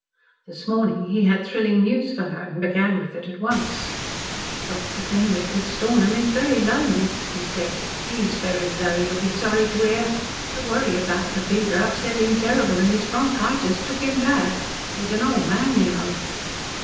This morning he had thrilling news for her and began with it at once. "Dr. Fenwick at Stornham is very low, miss," he said. "He's very low, you'll be sorry to hear. The worry about the fever upset him terrible and his bronchitis took him bad. He's an old man, you know."